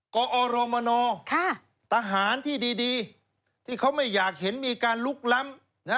กอรมนทหารที่ดีที่เขาไม่อยากเห็นมีการลุกล้ำ